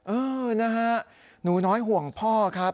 เออนะฮะหนูน้อยห่วงพ่อครับ